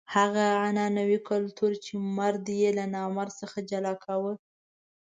هغه عنعنوي کلتور چې مرد یې له نامرد څخه جلا کاوه.